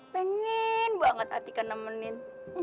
pengen banget hati kan nemenin